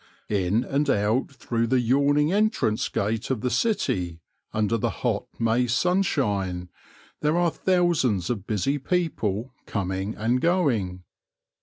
In and out through the yawning entrance gate of the city, under the hot May sunshine, there are thousands of busy people coming and going.